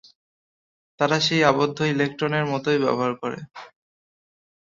তারা সেই আবদ্ধ ইলেকট্রনের মতোই ব্যবহার করে।